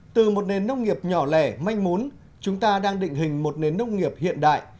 từ một nền nông nghiệp nhỏ lẻ manh mún chúng ta đang định hình một nền nông nghiệp hiện đại